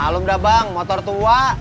malum dah bang motor tua